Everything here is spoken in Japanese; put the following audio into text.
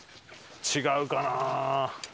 違うかな。